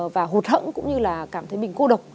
và hụt hẫng cũng như là cảm thấy mình cô độc